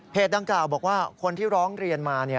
ดังกล่าวบอกว่าคนที่ร้องเรียนมา